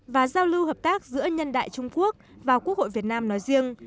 và giao lưu hợp tác giữa nhân đại trung quốc và quốc hội việt nam nói riêng